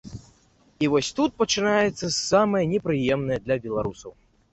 І вось тут пачынаецца самае непрыемнае для беларусаў.